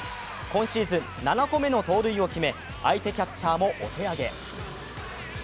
今シーズン７個目の盗塁を決め、相手キャッチャーもお手上げ。